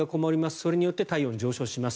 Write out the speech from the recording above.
それによって体温が上昇します。